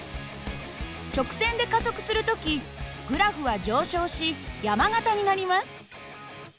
直線で加速する時グラフは上昇し山形になります。